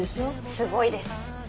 すごいです。